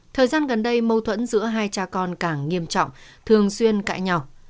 thời gian gần đây mâu thuẫn giữa hai cha con càng nghiêm trọng thường xuyên cãi nhỏ